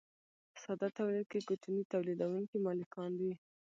په ساده تولید کې کوچني تولیدونکي مالکان دي.